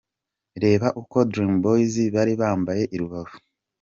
Reba uko Dream Boys bari bambaye i Rubavu.